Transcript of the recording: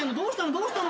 どうしたの？